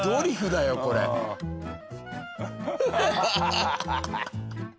ハハハハ！